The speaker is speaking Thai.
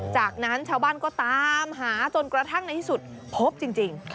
จากนั้นชาวบ้านก็ตามหาจนกระทั่งในที่สุดพบจริง